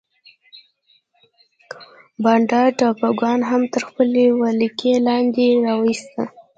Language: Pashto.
بانډا ټاپوګان هم تر خپلې ولکې لاندې راوسته.